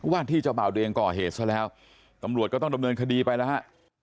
ว่าที่เจ้าเปล่าเดี๋ยวก่อเหตุเสร็จแล้วตำรวจก็ต้องดำเนินคดีไปแล้วฮะ